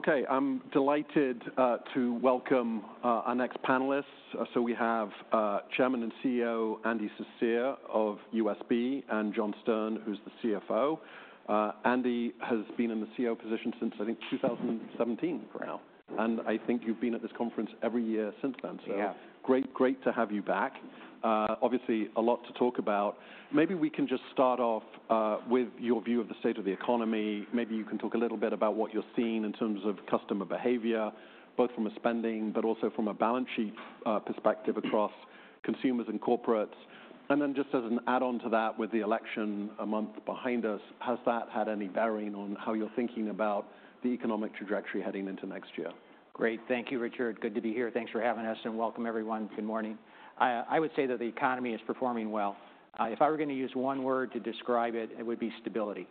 Okay, I'm delighted to welcome our next panelists. So we have Chairman and CEO Andy Cecere of U.S. B., and John Stern, who's the CFO. Andy has been in the CEO position since, I think, 2017 for now. And I think you've been at this conference every year since then. So great, great to have you back. Obviously, a lot to talk about. Maybe we can just start off with your view of the state of the economy. Maybe you can talk a little bit about what you're seeing in terms of customer behavior, both from a spending, but also from a balance sheet perspective across consumers and corporates. And then just as an add-on to that, with the election a month behind us, has that had any bearing on how you're thinking about the economic trajectory heading into next year? Great. Thank you, Richard. Good to be here. Thanks for having us and welcome everyone. Good morning. I would say that the economy is performing well. If I were going to use one word to describe it, it would be stability.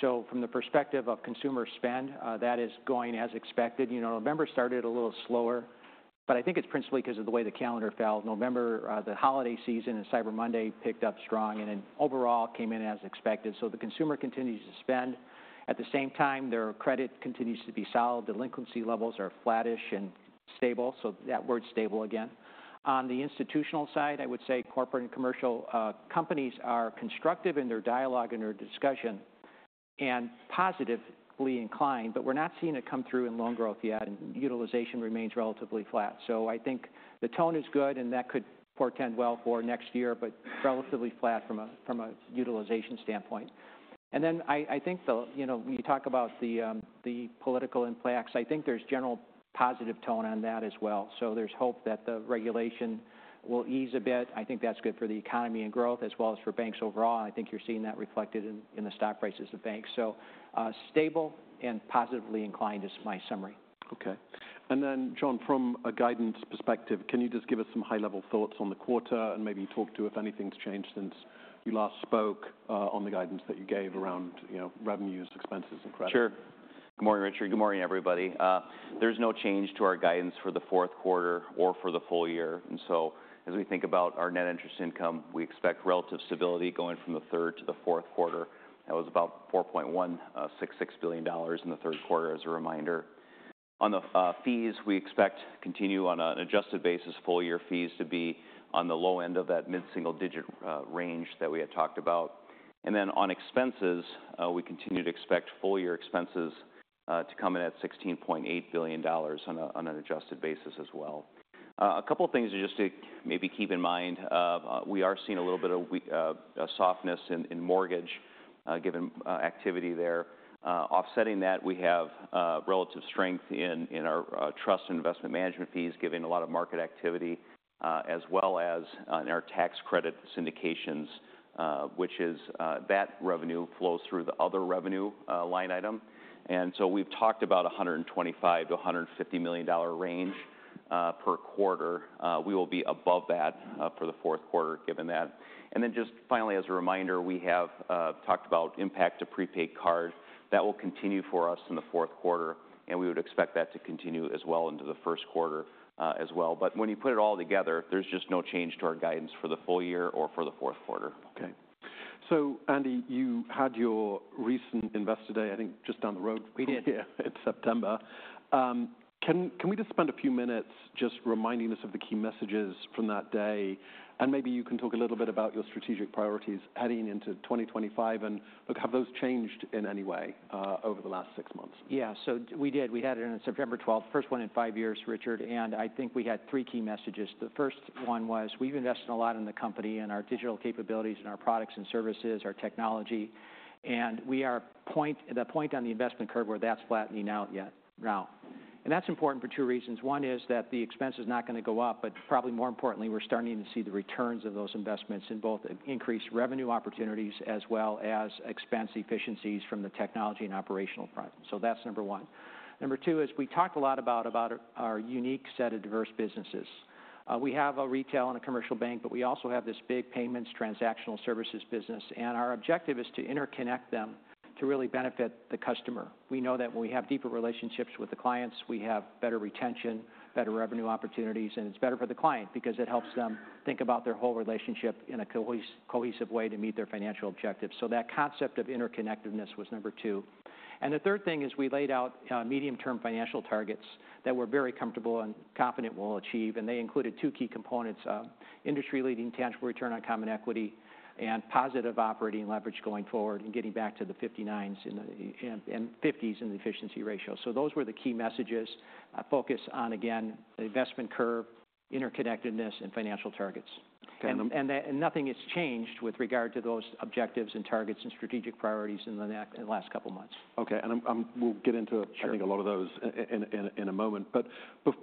So from the perspective of consumer spend, that is going as expected. You know, November started a little slower, but I think it's principally because of the way the calendar fell. November, the holiday season, and Cyber Monday picked up strong and then overall came in as expected. So the consumer continues to spend. At the same time, their credit continues to be solid. Delinquency levels are flattish and stable. So that word stable again. On the institutional side, I would say corporate and commercial companies are constructive in their dialogue and their discussion and positively inclined, but we're not seeing it come through in loan growth yet and utilization remains relatively flat, so I think the tone is good and that could portend well for next year, but relatively flat from a utilization standpoint, and then I think, you know, when you talk about the political impacts, I think there's general positive tone on that as well, so there's hope that the regulation will ease a bit. I think that's good for the economy and growth as well as for banks overall. I think you're seeing that reflected in the stock prices of banks, so stable and positively inclined is my summary. Okay. And then, John, from a guidance perspective, can you just give us some high-level thoughts on the quarter and maybe talk to if anything's changed since you last spoke on the guidance that you gave around revenues, expenses, and credit? Sure. Good morning, Richard. Good morning, everybody. There's no change to our guidance for the fourth quarter or for the full year. And so as we think about our net interest income, we expect relative stability going from the third to the fourth quarter. That was about $4.166 billion in the third quarter, as a reminder. On the fees, we expect to continue on an adjusted basis, full year fees to be on the low end of that mid-single digit range that we had talked about. And then on expenses, we continue to expect full year expenses to come in at $16.8 billion on an adjusted basis as well. A couple of things just to maybe keep in mind, we are seeing a little bit of softness in mortgage given activity there. Offsetting that, we have relative strength in our trust and investment management fees given a lot of market activity as well as in our tax credit syndications, which is that revenue flows through the other revenue line item. And so we've talked about $125-$150 million range per quarter. We will be above that for the fourth quarter given that. And then just finally, as a reminder, we have talked about impact to prepaid cards. That will continue for us in the fourth quarter, and we would expect that to continue as well into the first quarter as well. But when you put it all together, there's just no change to our guidance for the full year or for the fourth quarter. Okay, so Andy, you had your recent Investor Day, I think just down the road. We did. Yeah, in September. Can we just spend a few minutes just reminding us of the key messages from that day, and maybe you can talk a little bit about your strategic priorities heading into 2025 and have those changed in any way over the last six months? Yeah, so we did. We had it on September 12th, first one in five years, Richard, and I think we had three key messages. The first one was we've invested a lot in the company and our digital capabilities and our products and services, our technology, and we are at the point on the investment curve where that's flattening out now, and that's important for two reasons. One is that the expense is not going to go up, but probably more importantly, we're starting to see the returns of those investments in both increased revenue opportunities as well as expense efficiencies from the technology and operational front, so that's number one. Number two is we talked a lot about our unique set of diverse businesses. We have a retail and a commercial bank, but we also have this big payments transactional services business. Our objective is to interconnect them to really benefit the customer. We know that when we have deeper relationships with the clients, we have better retention, better revenue opportunities, and it's better for the client because it helps them think about their whole relationship in a cohesive way to meet their financial objectives. That concept of interconnectedness was number two. The third thing is we laid out medium-term financial targets that we're very comfortable and confident we'll achieve. They included two key components: industry-leading tangible return on common equity and positive operating leverage going forward and getting back to the 59s and 50s in the efficiency ratio. Those were the key messages focused on, again, the investment curve, interconnectedness, and financial targets. Nothing has changed with regard to those objectives and targets and strategic priorities in the last couple of months. Okay. And we'll get into, I think, a lot of those in a moment. But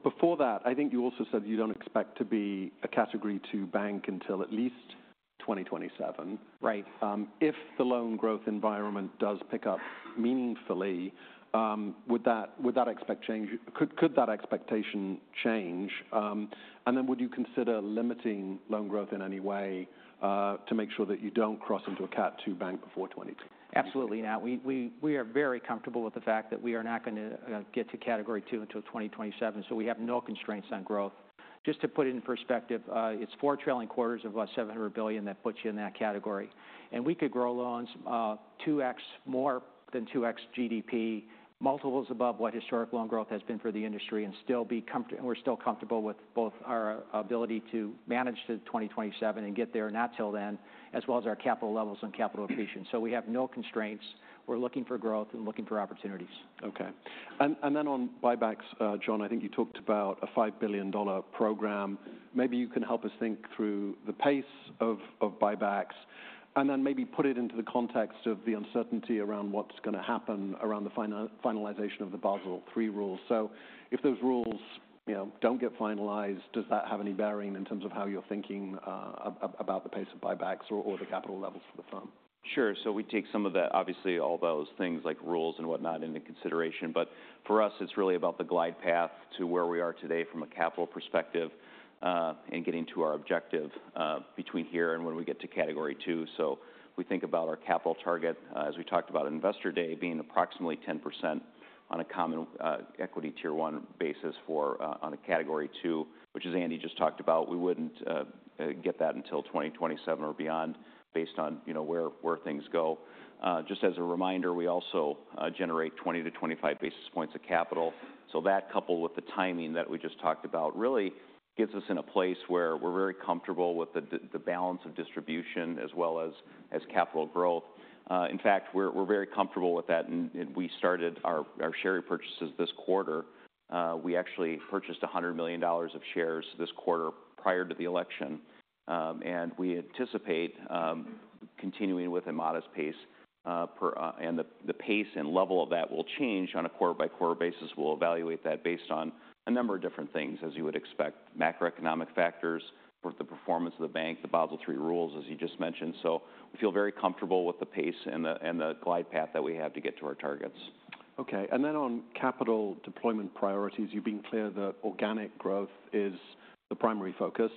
before that, I think you also said you don't expect to be a Category II bank until at least 2027. Right. If the loan growth environment does pick up meaningfully, would that expect change? Could that expectation change? And then would you consider limiting loan growth in any way to make sure that you don't cross into a Category II bank before 2027? Absolutely not. We are very comfortable with the fact that we are not going to get to category II until 2027. So we have no constraints on growth. Just to put it in perspective, it's four trailing quarters of about $700 billion that puts you in that category. And we could grow loans two X more than two X GDP, multiples above what historic loan growth has been for the industry, and still be comfortable. We're still comfortable with both our ability to manage to 2027 and get there, not till then, as well as our capital levels and capital appreciation. So we have no constraints. We're looking for growth and looking for opportunities. Okay. And then on buybacks, John, I think you talked about a $5 billion program. Maybe you can help us think through the pace of buybacks and then maybe put it into the context of the uncertainty around what's going to happen around the finalization of the Basel III rules. So if those rules don't get finalized, does that have any bearing in terms of how you're thinking about the pace of buybacks or the capital levels for the firm? Sure. So we take some of that, obviously, all those things like rules and whatnot into consideration. But for us, it's really about the glide path to where we are today from a capital perspective and getting to our objective between here and when we get to Category II. So we think about our capital target, as we talked about Investor Day, being approximately 10% on a common equity tier one basis on a Category II, which is Andy just talked about. We wouldn't get that until 2027 or beyond based on where things go. Just as a reminder, we also generate 20-25 basis points of capital. So that, coupled with the timing that we just talked about, really gets us in a place where we're very comfortable with the balance of distribution as well as capital growth. In fact, we're very comfortable with that. We started our share purchases this quarter. We actually purchased $100 million of shares this quarter prior to the election. We anticipate continuing with a modest pace. And the pace and level of that will change on a quarter-by-quarter basis. We'll evaluate that based on a number of different things, as you would expect: macroeconomic factors, the performance of the bank, the Basel III rules, as you just mentioned. We feel very comfortable with the pace and the glide path that we have to get to our targets. Okay. And then on capital deployment priorities, you've been clear that organic growth is the primary focus.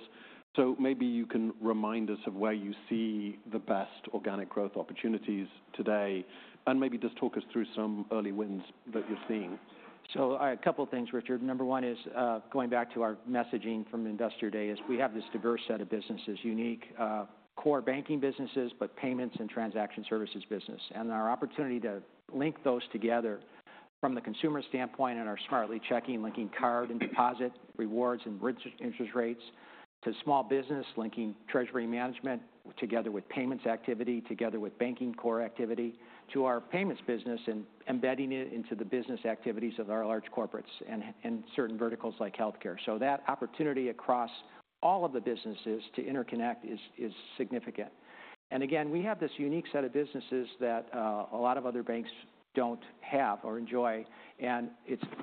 So maybe you can remind us of where you see the best organic growth opportunities today and maybe just talk us through some early wins that you're seeing. So a couple of things, Richard. Number one is going back to our messaging from Investor Day is we have this diverse set of businesses, unique core banking businesses, but payments and transaction services business. And our opportunity to link those together from the consumer standpoint and our Smartly checking, linking card and deposit rewards and interest rates to small business, linking treasury management together with payments activity, together with banking core activity to our payments business and embedding it into the business activities of our large corporates and certain verticals like healthcare. So that opportunity across all of the businesses to interconnect is significant. And again, we have this unique set of businesses that a lot of other banks don't have or enjoy. And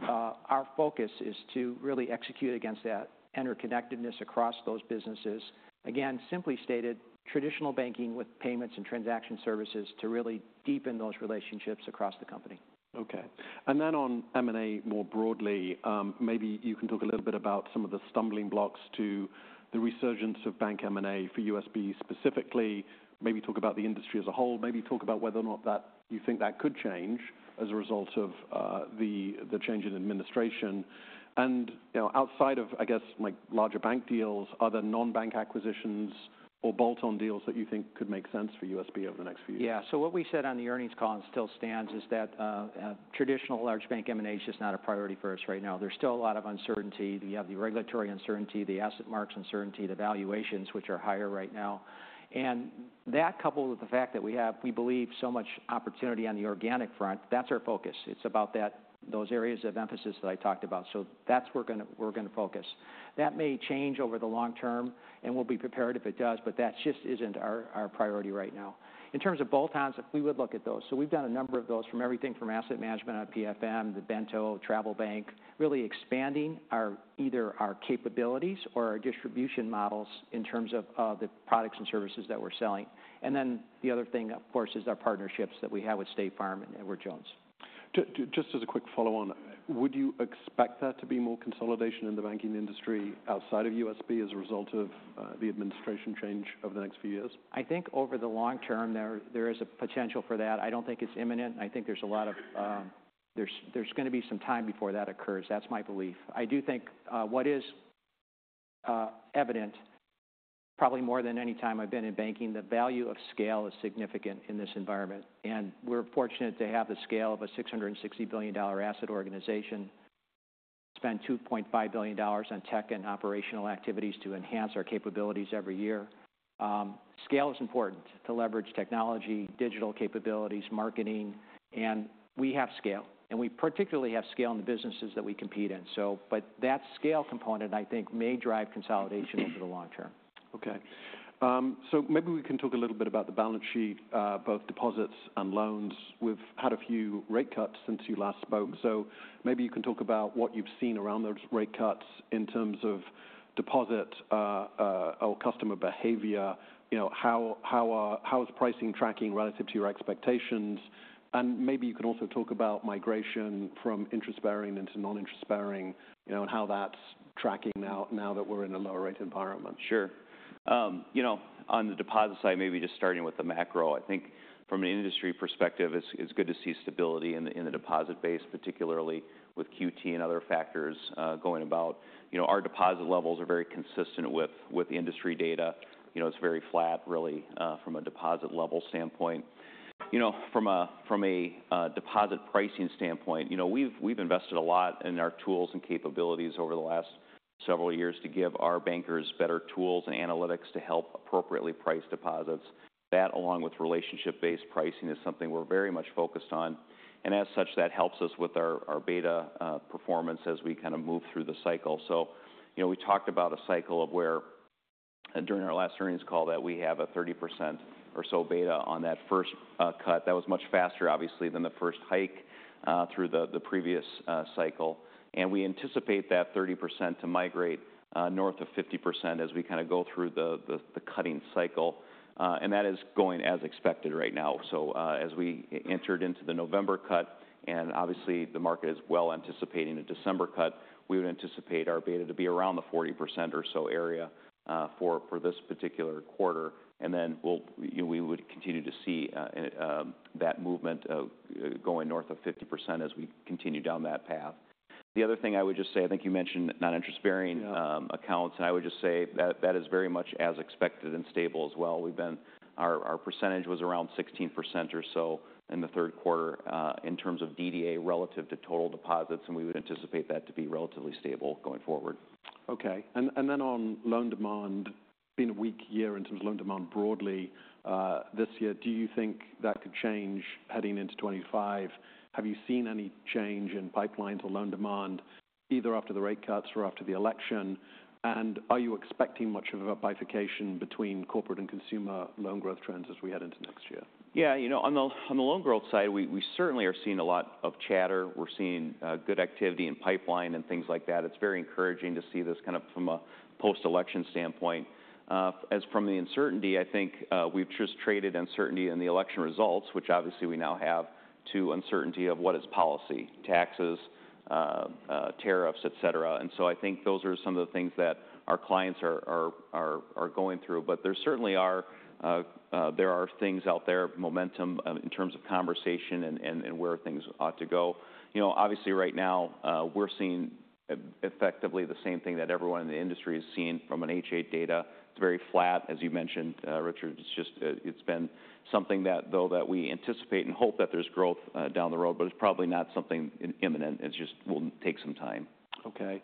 our focus is to really execute against that interconnectedness across those businesses. Again, simply stated, traditional banking with payments and transaction services to really deepen those relationships across the company. Okay. And then on M&A more broadly, maybe you can talk a little bit about some of the stumbling blocks to the resurgence of bank M&A for U.S. B. specifically, maybe talk about the industry as a whole, maybe talk about whether or not you think that could change as a result of the change in administration. And outside of, I guess, like larger bank deals, are there non-bank acquisitions or bolt-on deals that you think could make sense for U.S. B. over the next few years? Yeah. So what we said on the earnings call and still stands is that traditional large bank M&A is just not a priority for us right now. There's still a lot of uncertainty. You have the regulatory uncertainty, the asset marks uncertainty, the valuations, which are higher right now. And that coupled with the fact that we believe so much opportunity on the organic front, that's our focus. It's about those areas of emphasis that I talked about. So that's where we're going to focus. That may change over the long term, and we'll be prepared if it does, but that just isn't our priority right now. In terms of bolt-ons, we would look at those. So we've done a number of those from everything from asset management on PFM, the Bento, TravelBank, really expanding either our capabilities or our distribution models in terms of the products and services that we're selling. And then the other thing, of course, is our partnerships that we have with State Farm and Edward Jones. Just as a quick follow-on, would you expect there to be more consolidation in the banking industry outside of USB as a result of the administration change over the next few years? I think over the long term, there is a potential for that. I don't think it's imminent. I think there's a lot of time before that occurs. That's my belief. I do think what is evident, probably more than any time I've been in banking, the value of scale is significant in this environment. And we're fortunate to have the scale of a $660 billion asset organization, spend $2.5 billion on tech and operational activities to enhance our capabilities every year. Scale is important to leverage technology, digital capabilities, marketing, and we have scale. And we particularly have scale in the businesses that we compete in. But that scale component, I think, may drive consolidation over the long term. Okay. So maybe we can talk a little bit about the balance sheet, both deposits and loans. We've had a few rate cuts since you last spoke. So maybe you can talk about what you've seen around those rate cuts in terms of deposit or customer behavior. How is pricing tracking relative to your expectations? And maybe you can also talk about migration from interest-bearing into non-interest-bearing and how that's tracking now that we're in a lower rate environment? Sure. On the deposit side, maybe just starting with the macro, I think from an industry perspective, it's good to see stability in the deposit base, particularly with QT and other factors going about. Our deposit levels are very consistent with industry data. It's very flat, really, from a deposit level standpoint. From a deposit pricing standpoint, we've invested a lot in our tools and capabilities over the last several years to give our bankers better tools and analytics to help appropriately price deposits. That, along with relationship-based pricing, is something we're very much focused on. And as such, that helps us with our beta performance as we kind of move through the cycle. So we talked about a cycle of where during our last earnings call that we have a 30% or so beta on that first cut. That was much faster, obviously, than the first hike through the previous cycle. And we anticipate that 30% to migrate north of 50% as we kind of go through the cutting cycle. And that is going as expected right now. So as we entered into the November cut, and obviously the market is well anticipating a December cut, we would anticipate our beta to be around the 40% or so area for this particular quarter. And then we would continue to see that movement going north of 50% as we continue down that path. The other thing I would just say, I think you mentioned non-interest-bearing accounts, and I would just say that is very much as expected and stable as well. Our percentage was around 16% or so in the third quarter in terms of DDA relative to total deposits, and we would anticipate that to be relatively stable going forward. Okay. And then on loan demand, being a weak year in terms of loan demand broadly this year, do you think that could change heading into 2025? Have you seen any change in pipelines or loan demand either after the rate cuts or after the election? And are you expecting much of a bifurcation between corporate and consumer loan growth trends as we head into next year? Yeah. On the loan growth side, we certainly are seeing a lot of chatter. We're seeing good activity in pipeline and things like that. It's very encouraging to see this kind of from a post-election standpoint. As from the uncertainty, I think we've just traded uncertainty in the election results, which obviously we now have to uncertainty of what is policy, taxes, tariffs, etc. And so I think those are some of the things that our clients are going through, but there certainly are things out there, momentum in terms of conversation and where things ought to go. Obviously, right now, we're seeing effectively the same thing that everyone in the industry is seeing from an H.8 data. It's very flat, as you mentioned, Richard. It's been something that, though, we anticipate and hope that there's growth down the road, but it's probably not something imminent. It just will take some time. Okay.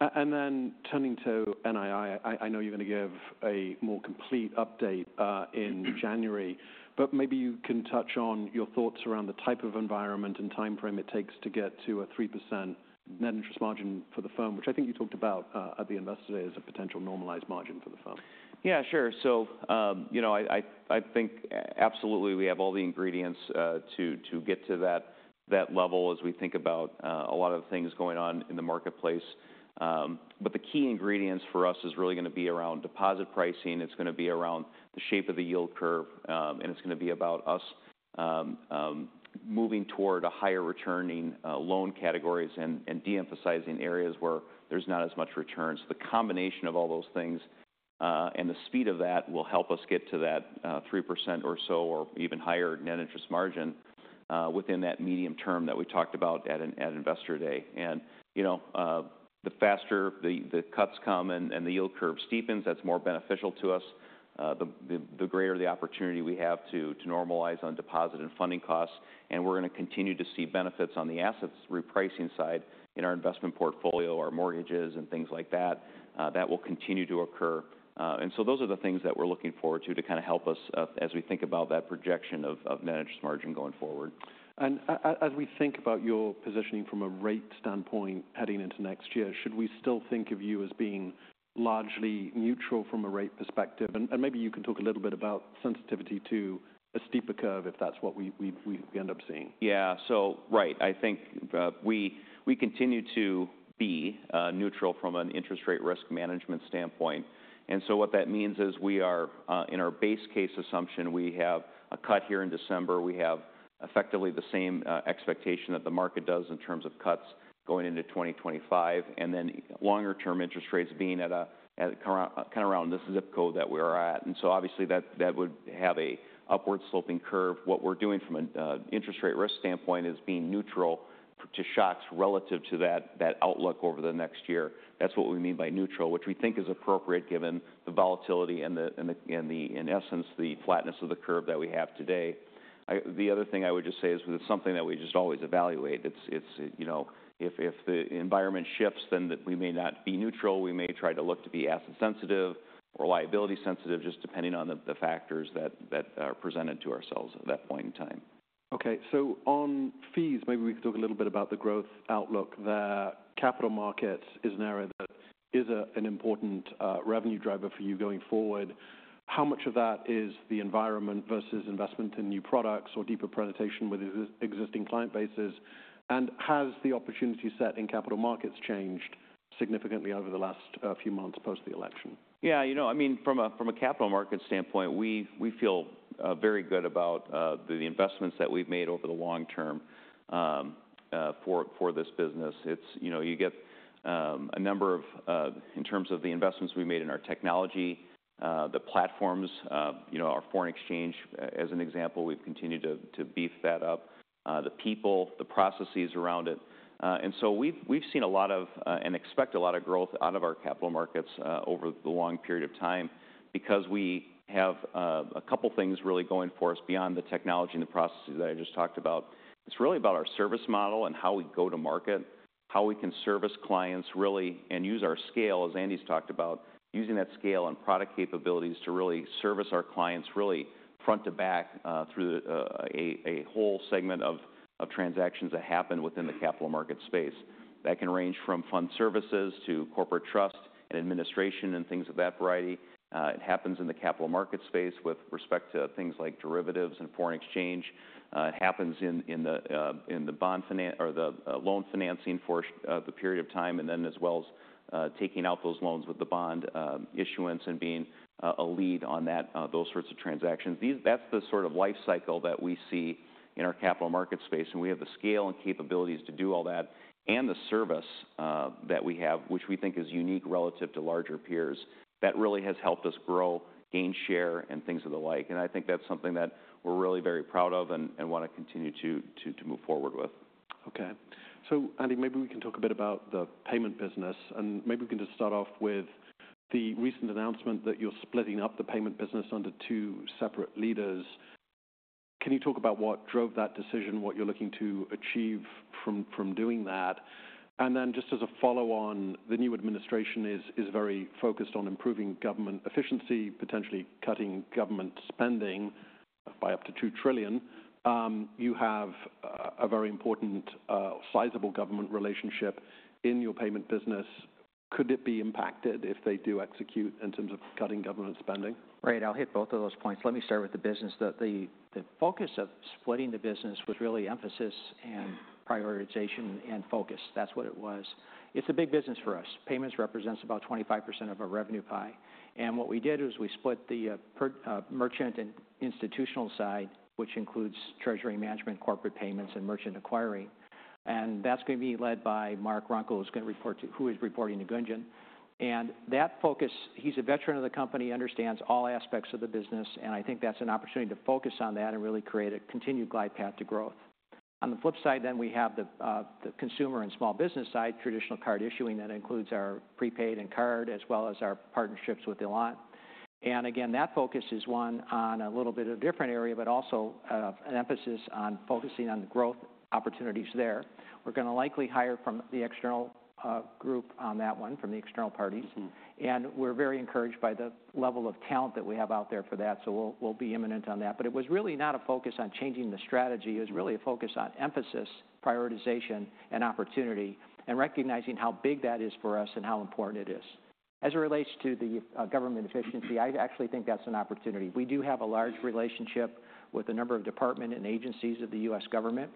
And then turning to NII, I know you're going to give a more complete update in January, but maybe you can touch on your thoughts around the type of environment and timeframe it takes to get to a 3% net interest margin for the firm, which I think you talked about at the Investor Day as a potential normalized margin for the firm. Yeah, sure. So I think absolutely we have all the ingredients to get to that level as we think about a lot of the things going on in the marketplace. But the key ingredients for us is really going to be around deposit pricing. It's going to be around the shape of the yield curve, and it's going to be about us moving toward a higher returning loan categories and de-emphasizing areas where there's not as much return. So the combination of all those things and the speed of that will help us get to that 3% or so or even higher net interest margin within that medium term that we talked about at Investor Day. And the faster the cuts come and the yield curve steepens, that's more beneficial to us, the greater the opportunity we have to normalize on deposit and funding costs. And we're going to continue to see benefits on the assets repricing side in our investment portfolio, our mortgages and things like that. That will continue to occur. And so those are the things that we're looking forward to to kind of help us as we think about that projection of net interest margin going forward. As we think about your positioning from a rate standpoint heading into next year, should we still think of you as being largely neutral from a rate perspective? Maybe you can talk a little bit about sensitivity to a steeper curve if that's what we end up seeing. Yeah. So right. I think we continue to be neutral from an interest rate risk management standpoint. And so what that means is we are in our base case assumption. We have a cut here in December. We have effectively the same expectation that the market does in terms of cuts going into 2025, and then longer-term interest rates being at kind of around this zip code that we are at. And so obviously that would have an upward-sloping curve. What we're doing from an interest rate risk standpoint is being neutral to shocks relative to that outlook over the next year. That's what we mean by neutral, which we think is appropriate given the volatility and in essence, the flatness of the curve that we have today. The other thing I would just say is it's something that we just always evaluate. If the environment shifts, then we may not be neutral. We may try to look to be asset-sensitive or liability-sensitive, just depending on the factors that are presented to ourselves at that point in time. Okay. So on fees, maybe we could talk a little bit about the growth outlook there. Capital markets is an area that is an important revenue driver for you going forward. How much of that is the environment versus investment in new products or deeper penetration with existing client bases? And has the opportunity set in capital markets changed significantly over the last few months post the election? Yeah. You know, I mean, from a capital market standpoint, we feel very good about the investments that we've made over the long term for this business. You get a number of in terms of the investments we've made in our technology, the platforms, our foreign exchange as an example, we've continued to beef that up, the people, the processes around it. And so we've seen a lot of and expect a lot of growth out of our capital markets over the long period of time because we have a couple of things really going for us beyond the technology and the processes that I just talked about. It's really about our service model and how we go to market, how we can service clients really and use our scale, as Andy's talked about, using that scale and product capabilities to really service our clients really front to back through a whole segment of transactions that happen within the capital market space. That can range from fund services to corporate trust and administration and things of that variety. It happens in the capital market space with respect to things like derivatives and foreign exchange. It happens in the loan financing for the period of time and then as well as taking out those loans with the bond issuance and being a lead on those sorts of transactions. That's the sort of life cycle that we see in our capital market space. We have the scale and capabilities to do all that and the service that we have, which we think is unique relative to larger peers. That really has helped us grow, gain share, and things of the like. I think that's something that we're really very proud of and want to continue to move forward with. Okay, so Andy, maybe we can talk a bit about the payment business, and maybe we can just start off with the recent announcement that you're splitting up the payment business under two separate leaders. Can you talk about what drove that decision, what you're looking to achieve from doing that, and then just as a follow-on, the new administration is very focused on improving government efficiency, potentially cutting government spending by up to $2 trillion. You have a very important sizable government relationship in your payment business. Could it be impacted if they do execute in terms of cutting government spending? Right. I'll hit both of those points. Let me start with the business. The focus of splitting the business was really emphasis and prioritization and focus. That's what it was. It's a big business for us. Payments represents about 25% of our revenue pie. And what we did was we split the merchant and institutional side, which includes treasury management, corporate payments, and merchant acquiring. And that's going to be led by Mark Runkel, who is reporting to Gunjan. And that focus, he's a veteran of the company, understands all aspects of the business. And I think that's an opportunity to focus on that and really create a continued glide path to growth. On the flip side, then we have the consumer and small business side, traditional card issuing that includes our prepaid and card, as well as our partnerships with Elan. And again, that focus is one on a little bit of a different area, but also an emphasis on focusing on the growth opportunities there. We're going to likely hire from the external group on that one, from the external parties. And we're very encouraged by the level of talent that we have out there for that. So we'll be imminent on that. But it was really not a focus on changing the strategy. It was really a focus on emphasis, prioritization, and opportunity, and recognizing how big that is for us and how important it is. As it relates to the government efficiency, I actually think that's an opportunity. We do have a large relationship with a number of departments and agencies of the U.S. government.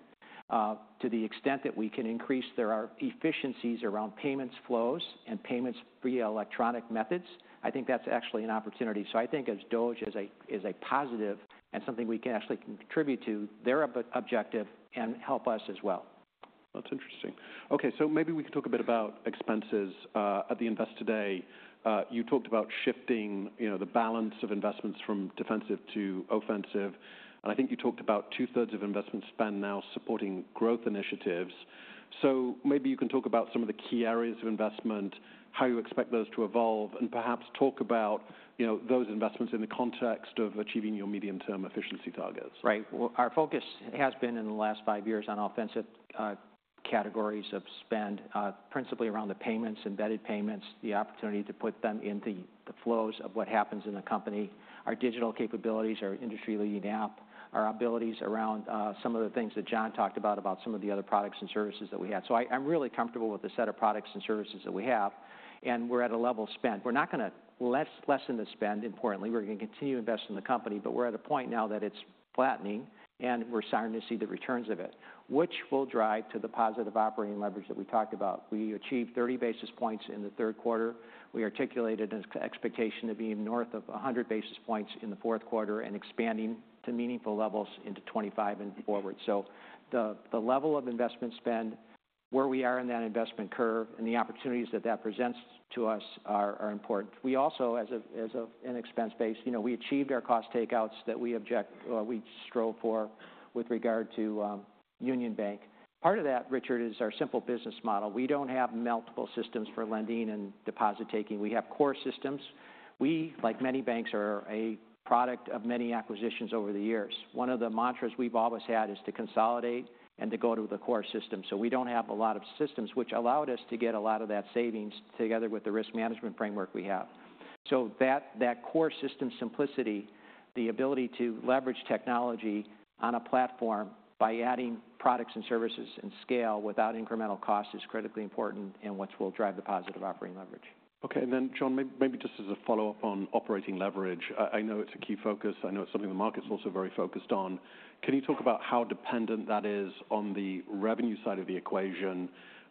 To the extent that we can increase their efficiencies around payments flows and payments via electronic methods, I think that's actually an opportunity. So I think as DOGE is a positive and something we can actually contribute to their objective and help us as well. That's interesting. Okay. So maybe we can talk a bit about expenses at the Investor Day. You talked about shifting the balance of investments from defensive to offensive. And I think you talked about two-thirds of investment spend now supporting growth initiatives. So maybe you can talk about some of the key areas of investment, how you expect those to evolve, and perhaps talk about those investments in the context of achieving your medium-term efficiency targets. Right. Well, our focus has been in the last five years on offensive categories of spend, principally around the payments, embedded payments, the opportunity to put them into the flows of what happens in the company, our digital capabilities, our industry-leading app, our abilities around some of the things that John talked about, about some of the other products and services that we have. So I'm really comfortable with the set of products and services that we have. And we're at a level spend. We're not going to lessen the spend, importantly. We're going to continue investing in the company. But we're at a point now that it's flattening, and we're starting to see the returns of it, which will drive to the positive operating leverage that we talked about. We achieved 30 basis points in the third quarter. We articulated an expectation of being north of 100 basis points in the fourth quarter and expanding to meaningful levels into 2025 and forward. So the level of investment spend, where we are in that investment curve, and the opportunities that that presents to us are important. We also, as an expense base, we achieved our cost takeouts that we object or we strove for with regard to Union Bank. Part of that, Richard, is our simple business model. We don't have multiple systems for lending and deposit taking. We have core systems. We, like many banks, are a product of many acquisitions over the years. One of the mantras we've always had is to consolidate and to go to the core system. So we don't have a lot of systems, which allowed us to get a lot of that savings together with the risk management framework we have. That core system simplicity, the ability to leverage technology on a platform by adding products and services and scale without incremental cost is critically important and what will drive the positive operating leverage. Okay. And then, John, maybe just as a follow-up on operating leverage, I know it's a key focus. I know it's something the market's also very focused on. Can you talk about how dependent that is on the revenue side of the equation?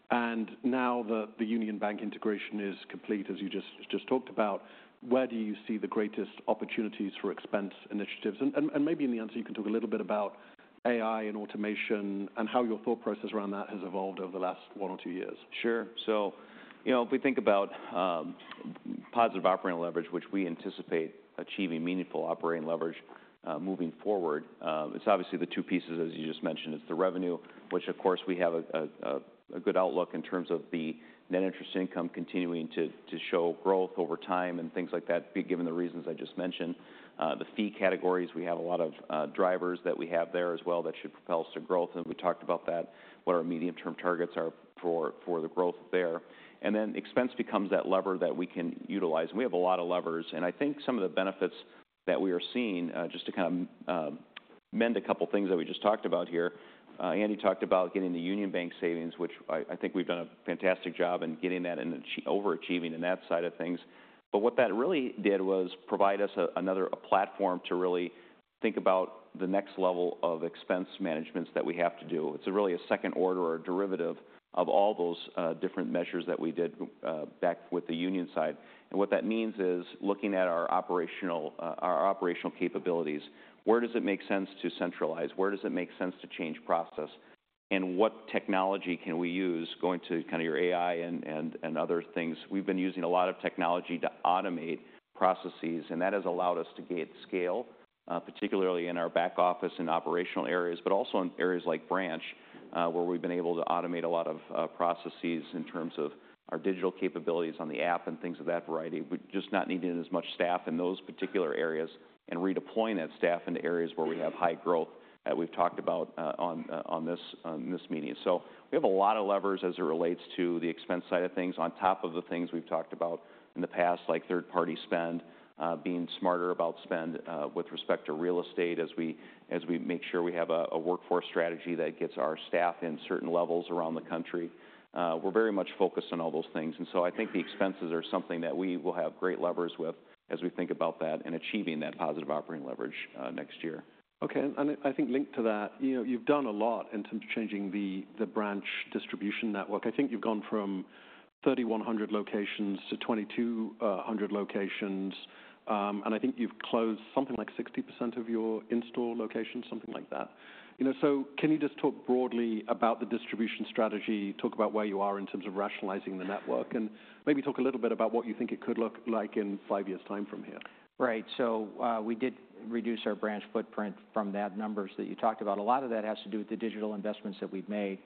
And now that the Union Bank integration is complete, as you just talked about, where do you see the greatest opportunities for expense initiatives? And maybe in the answer, you can talk a little bit about AI and automation and how your thought process around that has evolved over the last one or two years. Sure. So if we think about positive operating leverage, which we anticipate achieving meaningful operating leverage moving forward, it's obviously the two pieces, as you just mentioned. It's the revenue, which, of course, we have a good outlook in terms of the net interest income continuing to show growth over time and things like that, given the reasons I just mentioned. The fee categories, we have a lot of drivers that we have there as well that should propel us to growth. And we talked about that, what our medium-term targets are for the growth there. And then expense becomes that lever that we can utilize. And we have a lot of levers. I think some of the benefits that we are seeing, just to kind of mention a couple of things that we just talked about here. Andy talked about getting the Union Bank savings, which I think we've done a fantastic job in getting that and overachieving in that side of things. But what that really did was provide us another platform to really think about the next level of expense management that we have to do. It's really a second order or derivative of all those different measures that we did back with the union side. What that means is looking at our operational capabilities, where does it make sense to centralize? Where does it make sense to change process? What technology can we use going to kind of your AI and other things? We've been using a lot of technology to automate processes. And that has allowed us to gain scale, particularly in our back office and operational areas, but also in areas like branch where we've been able to automate a lot of processes in terms of our digital capabilities on the app and things of that variety. We're just not needing as much staff in those particular areas and redeploying that staff into areas where we have high growth that we've talked about on this meeting. So we have a lot of levers as it relates to the expense side of things on top of the things we've talked about in the past, like third-party spend, being smarter about spend with respect to real estate as we make sure we have a workforce strategy that gets our staff in certain levels around the country. We're very much focused on all those things. I think the expenses are something that we will have great levers with as we think about that and achieving that positive operating leverage next year. Okay. And I think linked to that, you've done a lot in terms of changing the branch distribution network. I think you've gone from 3,100 locations to 2,200 locations. And I think you've closed something like 60% of your in-store locations, something like that. So can you just talk broadly about the distribution strategy, talk about where you are in terms of rationalizing the network, and maybe talk a little bit about what you think it could look like in five years' time from here? Right. So we did reduce our branch footprint from those numbers that you talked about. A lot of that has to do with the digital investments that we've made.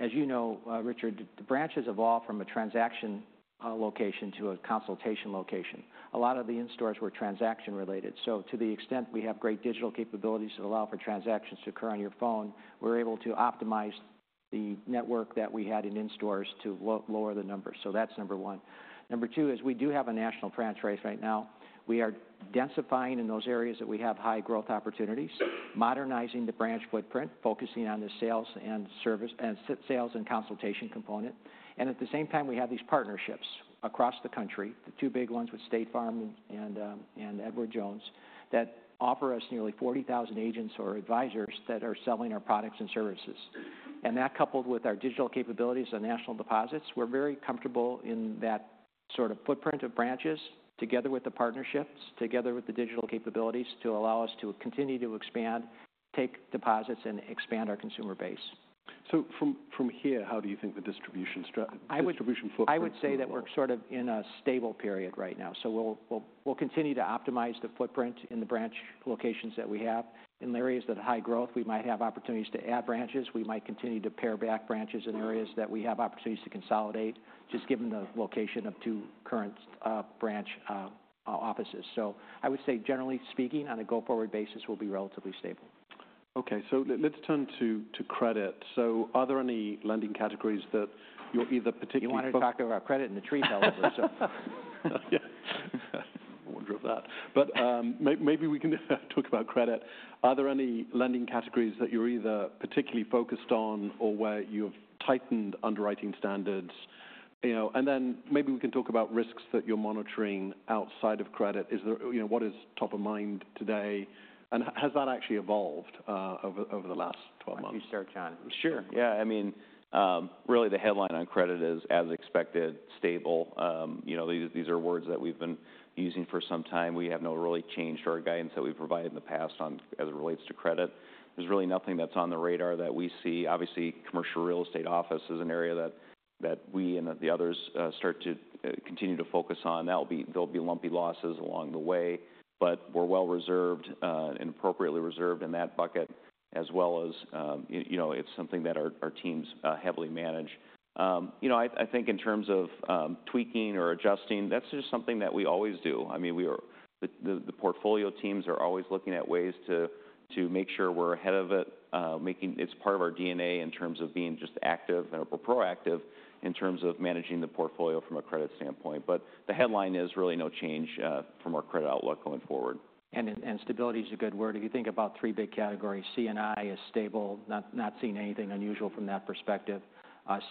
As you know, Richard, the branches evolve from a transaction location to a consultation location. A lot of the in-stores were transaction-related. So to the extent we have great digital capabilities that allow for transactions to occur on your phone, we're able to optimize the network that we had in-stores to lower the numbers. So that's number one. Number two is we do have a national franchise right now. We are densifying in those areas that we have high growth opportunities, modernizing the branch footprint, focusing on the sales and consultation component. At the same time, we have these partnerships across the country, the two big ones with State Farm and Edward Jones, that offer us nearly 40,000 agents or advisors that are selling our products and services. That coupled with our digital capabilities and national deposits, we're very comfortable in that sort of footprint of branches together with the partnerships, together with the digital capabilities to allow us to continue to expand, take deposits, and expand our consumer base. So from here, how do you think the distribution footprint? I would say that we're sort of in a stable period right now. So we'll continue to optimize the footprint in the branch locations that we have. In areas that have high growth, we might have opportunities to add branches. We might continue to pare back branches in areas that we have opportunities to consolidate, just given the location of two current branch offices. So I would say, generally speaking, on a go-forward basis, we'll be relatively stable. Okay. So let's turn to credit. So are there any lending categories that you're either particularly focused on? You want to talk about credit in the three fellows? Yeah. I wonder about that. But maybe we can talk about credit. Are there any lending categories that you're either particularly focused on or where you've tightened underwriting standards? And then maybe we can talk about risks that you're monitoring outside of credit. What is top of mind today? And has that actually evolved over the last 12 months? Thank you, sir, John. Sure. Yeah. I mean, really, the headline on credit is, as expected, stable. These are words that we've been using for some time. We have not really changed our guidance that we've provided in the past as it relates to credit. There's really nothing that's on the radar that we see. Obviously, commercial real estate office is an area that we and the others start to continue to focus on. There'll be lumpy losses along the way, but we're well reserved and appropriately reserved in that bucket, as well as it's something that our teams heavily manage. I think in terms of tweaking or adjusting, that's just something that we always do. I mean, the portfolio teams are always looking at ways to make sure we're ahead of it, making it part of our DNA in terms of being just active or proactive in terms of managing the portfolio from a credit standpoint. But the headline is really no change from our credit outlook going forward. Stability is a good word. If you think about three big categories, C&I is stable, not seeing anything unusual from that perspective.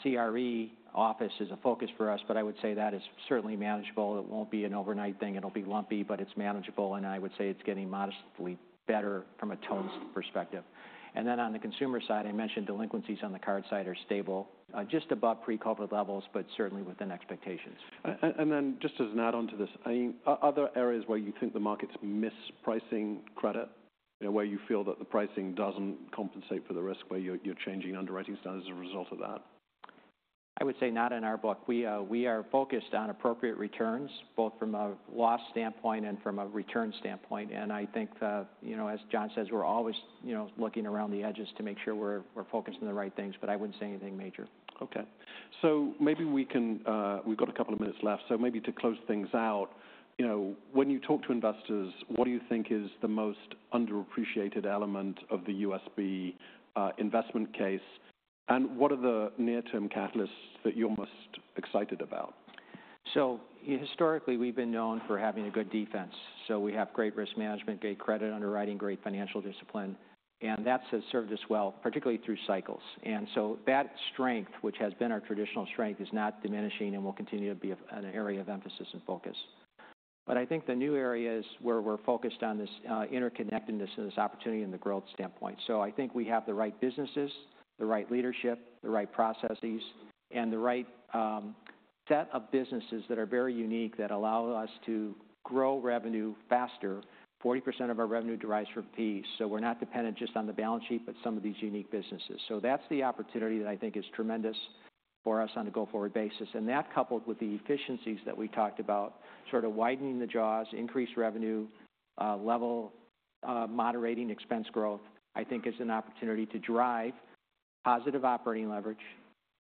CRE office is a focus for us, but I would say that is certainly manageable. It won't be an overnight thing. It'll be lumpy, but it's manageable. And I would say it's getting modestly better from a tones perspective. And then on the consumer side, I mentioned delinquencies on the card side are stable, just above pre-COVID levels, but certainly within expectations. Just as an add-on to this, are there areas where you think the market's mispricing credit, where you feel that the pricing doesn't compensate for the risk, where you're changing underwriting standards as a result of that? I would say not in our book. We are focused on appropriate returns, both from a loss standpoint and from a return standpoint. And I think, as John says, we're always looking around the edges to make sure we're focused on the right things, but I wouldn't say anything major. Okay. So maybe we've got a couple of minutes left. So maybe to close things out, when you talk to investors, what do you think is the most underappreciated element of the USB investment case, and what are the near-term catalysts that you're most excited about? Historically, we've been known for having a good defense. We have great risk management, great credit underwriting, great financial discipline. That has served us well, particularly through cycles. That strength, which has been our traditional strength, is not diminishing and will continue to be an area of emphasis and focus. I think the new area is where we're focused on this interconnectedness and this opportunity and the growth standpoint. I think we have the right businesses, the right leadership, the right processes, and the right set of businesses that are very unique that allow us to grow revenue faster. 40% of our revenue derives from fees. We're not dependent just on the balance sheet, but some of these unique businesses. That's the opportunity that I think is tremendous for us on a go-forward basis. And that, coupled with the efficiencies that we talked about, sort of widening the jaws, increased revenue level, moderating expense growth, I think is an opportunity to drive positive operating leverage,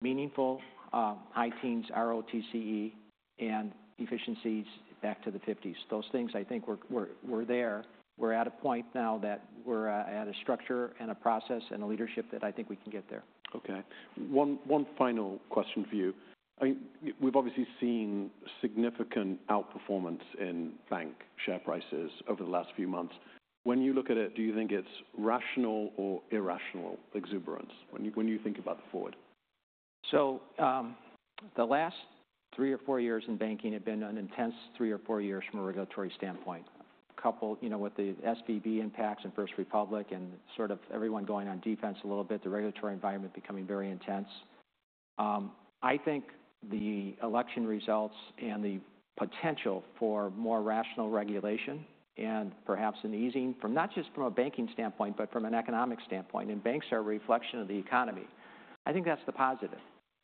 meaningful high teens ROTCE, and efficiencies back to the 50s. Those things, I think we're there. We're at a point now that we're at a structure and a process and a leadership that I think we can get there. Okay. One final question for you. We've obviously seen significant outperformance in bank share prices over the last few months. When you look at it, do you think it's rational or irrational exuberance when you think about the forward? The last three or four years in banking have been an intense three or four years from a regulatory standpoint. Coupled with the SVB impacts and First Republic and sort of everyone going on defense a little bit, the regulatory environment becoming very intense. I think the election results and the potential for more rational regulation and perhaps an easing from not just from a banking standpoint, but from an economic standpoint, and banks are a reflection of the economy. I think that's the positive,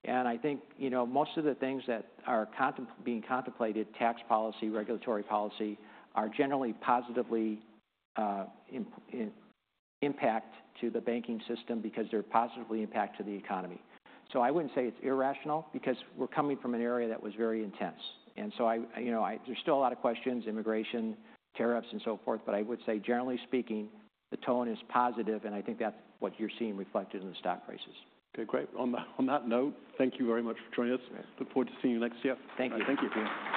and I think most of the things that are being contemplated, tax policy, regulatory policy, are generally positively impact to the banking system because they're positively impact to the economy. So I wouldn't say it's irrational because we're coming from an era that was very intense, and so there's still a lot of questions, immigration, tariffs, and so forth. But I would say, generally speaking, the tone is positive, and I think that's what you're seeing reflected in the stock prices. Okay. Great. On that note, thank you very much for joining us. Look forward to seeing you next year. Thank you. Thank you, Richard.